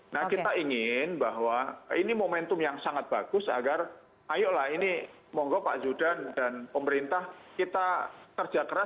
nah kita ingin bahwa ini momentum yang sangat bagus agar ayolah ini monggo pak zudan dan pemerintah kita kerja keras